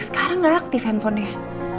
sekarang gak aktif handphonenya